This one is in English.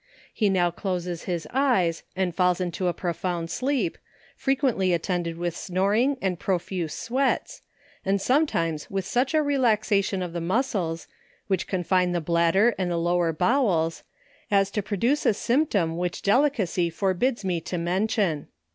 He now closes his eyes, and falls into a profound sleep, frequently attended with snor ing, and profuse sweats, and sometimes with such a re laxation of the muscles which confine the bladder and the }ower bowels, as to produce a symptom which delicacy ARDENT SPIRITS. o forbids mc to mention.